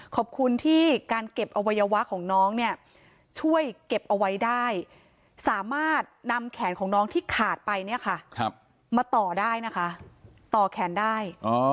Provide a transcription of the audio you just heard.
ขอบคุณที่การเก็บอวัยวะของน้องเนี่ยช่วยเก็บเอาไว้ได้สามารถนำแขนของน้องที่ขาดไปเนี่ยค่ะมาต่อได้นะคะต่อแขนได้